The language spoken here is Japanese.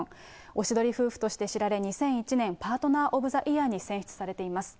おしどり夫婦として知られ、２００１年、パートナー・オブ・ザ・イヤーに選出されています。